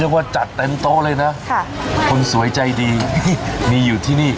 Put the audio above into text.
ว่าจัดเต็มโต๊ะเลยนะค่ะคนสวยใจดีมีอยู่ที่นี่